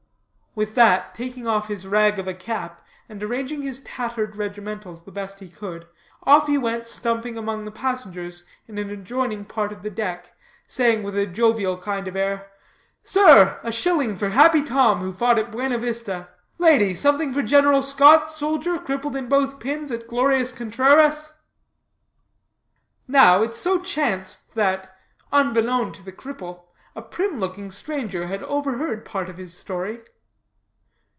With that, taking off his rag of a cap, and arranging his tattered regimentals the best he could, off he went stumping among the passengers in an adjoining part of the deck, saying with a jovial kind of air: "Sir, a shilling for Happy Tom, who fought at Buena Vista. Lady, something for General Scott's soldier, crippled in both pins at glorious Contreras." Now, it so chanced that, unbeknown to the cripple, a prim looking stranger had overheard part of his story.